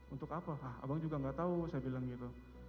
untuk apa abang juga nggak tahu saya bilang gitu